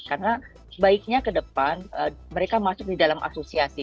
karena baiknya ke depan mereka masuk di dalam asosiasi